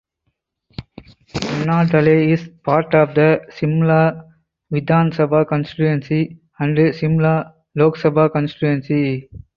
Annadale is part of the Shimla (Vidhan Sabha constituency) and Shimla (Lok Sabha constituency).